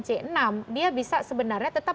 c enam dia bisa sebenarnya tetap